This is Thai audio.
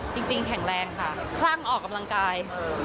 จริงแข็งแรงค่ะคลั่งออกกำลังกาย